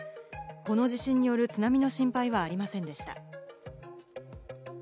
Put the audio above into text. この地震による津波の心配はありませんでした。